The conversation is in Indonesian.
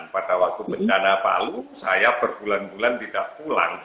pada waktu bencana palu saya berbulan bulan tidak pulang